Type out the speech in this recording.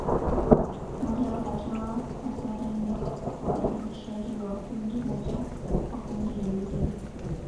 Moja ya hatua hatari ni udhalilishaji wa kundi moja kwa kundi lingine